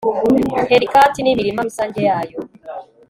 helikati n'imirima rusange yayo